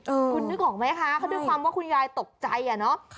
เออคุณนึกออกไหมคะเพราะด้วยความว่าคุณยายตกใจอ่ะเนอะค่ะ